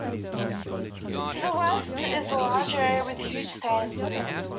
To the west is a large area with huge sand dunes.